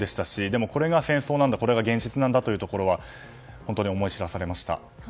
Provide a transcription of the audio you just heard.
でも、これが戦争なんだこれが現実なんだというところは本当に思い知らされました。